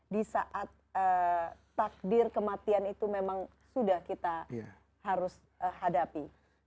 di saat takdir kematian itu memang sudah kita harus hadapi